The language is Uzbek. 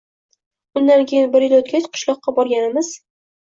Undan keyin bir yil o‘tgach qishloqqa borganimiz?